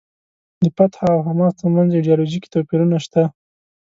د فتح او حماس ترمنځ ایډیالوژیکي توپیرونه شته.